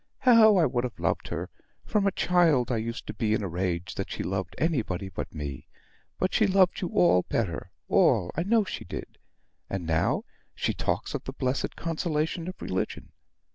How I would have loved her! From a child I used to be in a rage that she loved anybody but me; but she loved you all better all, I know she did. And now, she talks of the blessed consolation of religion.